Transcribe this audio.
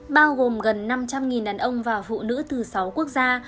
bao gồm gần năm trăm linh đàn ông và phụ nữ từ sáu quốc gia